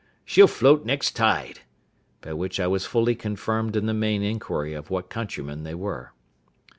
she'll float next tide;" by which I was fully confirmed in the main inquiry of what countrymen they were.